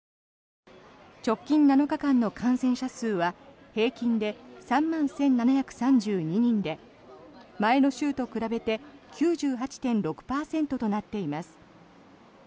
直近７日間の感染者数は平均で３万１７３２人で前の週と比べて９８．６％となっています。